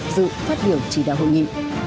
dự phát biểu chỉ đạo hội nghị